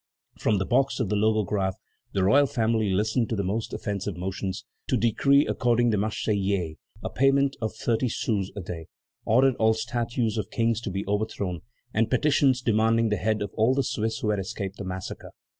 From the box of the Logographe the royal family listened to the most offensive motions; to decrees according the Marseillais a payment of thirty sous a day, ordering all statues of kings to be overthrown, and petitions demanding the heads of all the Swiss who had escaped the massacre.